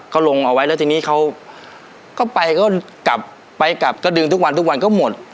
เขาลงเอาไว้แล้วทีนี้เขาก็ไปก็กลับไปกลับก็ดึงทุกวันทุกวันก็หมด